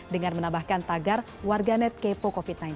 dengan menambahkan tagar warganet kepo covid sembilan belas